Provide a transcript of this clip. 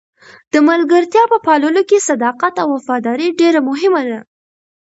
د ملګرتیا په پاللو کې صداقت او وفاداري ډېره مهمه ده.